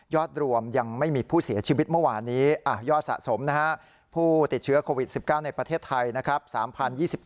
รวมยังไม่มีผู้เสียชีวิตเมื่อวานนี้ยอดสะสมนะฮะผู้ติดเชื้อโควิด๑๙ในประเทศไทยนะครับ